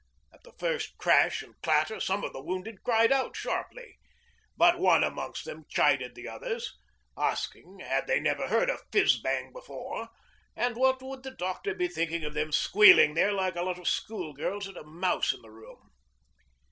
At the first crash and clatter some of the wounded cried out sharply, but one amongst them chided the others, asking had they never heard a Fizz Bang before, and what would the Doctor be thinking of them squealing there like a lot of schoolgirls at a mouse in the room?